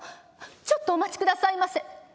ちょっとお待ちくださいませ」。